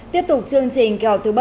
tiếp tục chương trình kéo thứ bảy